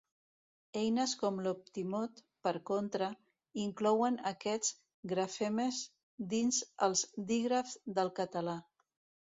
Eines com l'Optimot, per contra, inclouen aquests grafemes dins els dígrafs del català.